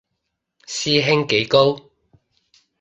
師兄幾高